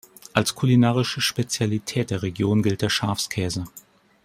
Als kulinarische Spezialität der Region gilt der Schafskäse.